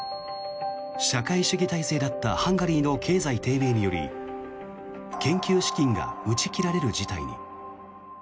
社会主義体制だったハンガリーの経済低迷により研究資金が打ち切られる事態に。